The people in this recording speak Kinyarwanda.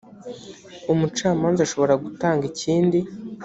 umucamanza ashobora gutanga ikindi